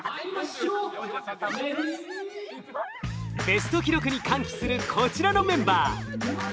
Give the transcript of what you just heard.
ベスト記録に歓喜するこちらのメンバー。